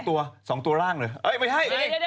๒ตัวสูงตัวร่างเลยเอ้ยไม่ใช่เดี๋ยว